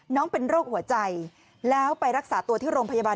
น้องเป็นโรคหัวใจแล้วไปรักษาตัวที่โรงพยาบาล